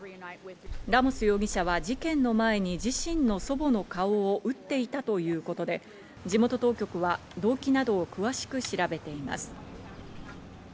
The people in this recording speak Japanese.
ラモス容疑者は事件の前に、自身の祖母の顔を撃っていたということで地元当局は動機などを詳しく調べています。